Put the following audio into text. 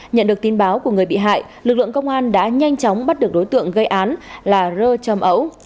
nhận được tin báo của người bị hại lực lượng công an đã nhanh chóng bắt được đối tượng gây án là rơ trăm ẩu